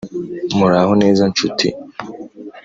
muraho neza nshuti,